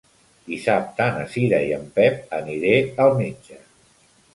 Dissabte na Cira i en Pep aniré al metge.